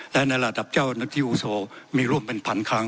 และในระดับเจ้าหน้าที่อูโซมีร่วมเป็นพันครั้ง